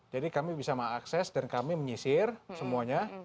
jadi kami bisa mengakses dan kami menyisir semuanya